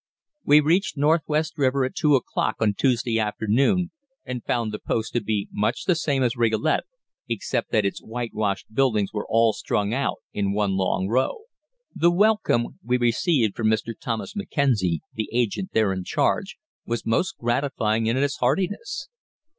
We reached Northwest River at two o'clock on Tuesday afternoon, and found the post to be much the same as Rigolet, except that its whitewashed buildings were all strung out in one long row. The welcome we received from Mr. Thomas Mackenzie, the agent there in charge, was most gratifying in its heartiness.